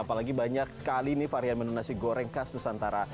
apalagi banyak sekali nih varian menu nasi goreng khas nusantara